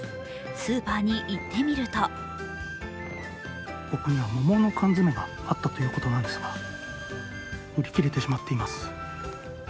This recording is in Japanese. スーパーに行ってみるとここには桃の缶詰があったということなんですが売り切れてしまっています。